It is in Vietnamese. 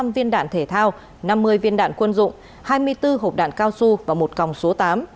hai trăm linh viên đạn thể thao năm mươi viên đạn quân dụng hai mươi bốn hộp đạn cao su và một còng số tám